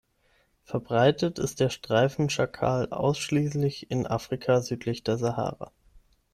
Verbreitet ist der Streifenschakal ausschließlich in Afrika südlich der Sahara.